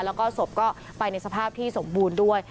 แล้วก็ศพก็ไปในสภาพที่สมบูรณ์ด้วย